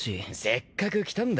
せっかく来たんだ。